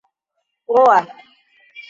女满别机场则因电力不足宣布关闭。